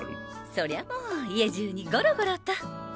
そりゃもう家中にゴロゴロと。